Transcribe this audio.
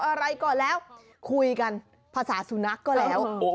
อะไรก็แล้วคุยกันภาษาสุนัขก็แล้ว